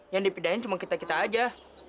yang dipindahin cuma kita kita aja